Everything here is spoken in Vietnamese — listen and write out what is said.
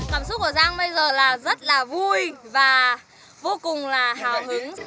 cảm xúc của giang bây giờ là rất là vui và vô cùng là hào hứng